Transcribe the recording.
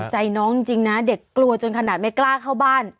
ใจน้องจริงนะเด็กกลัวจนขนาดไม่กล้าเข้าบ้าน